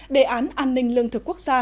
đề án an ninh lương thực quốc gia